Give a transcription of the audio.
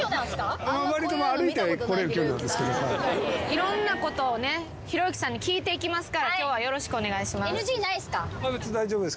いろんなことをひろゆきさんに聞いていきますから今日はよろしくお願いします。